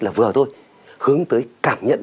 là vừa thôi hướng tới cảm nhận